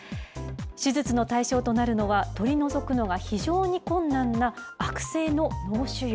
手術の対象となるのは、取り除くのが非常に困難な悪性の脳腫瘍。